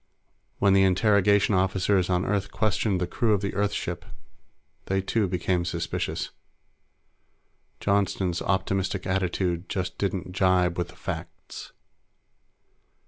When the interrogation officers on Earth questioned the crew of the Earth ship, they, too, became suspicious. Johnston's optimistic attitude just didn't jibe with the facts.